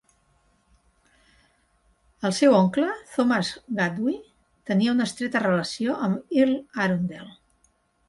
El seu oncle Thomas Gawdy tenia una estreta relació amb Earl Arundel.